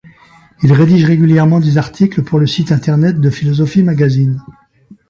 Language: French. Il rédige régulièrement des articles pour le site internet de Philosophie Magazine.